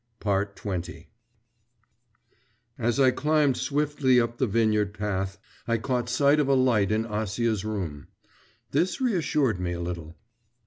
XX As I climbed swiftly up the vineyard path I caught sight of a light in Acia's room.… This reassured me a little.